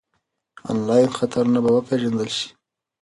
انلاین خطرونه به وپېژندل شي.